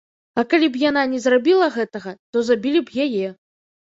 А калі б яна не зрабіла гэтага, то забілі б яе.